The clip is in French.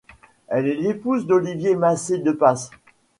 Elle est l'épouse d'Olivier Masset-Depasse.